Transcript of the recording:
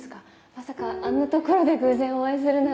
まさかあんな所で偶然お会いするなんて。